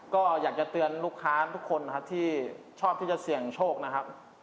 ก็อยากจะเตือนลูกค้าทุกคนนะครับที่ชอบที่จะเสี่ยงโชคนะครับ